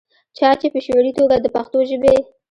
چا چې پۀ شعوري توګه دَپښتو ژبې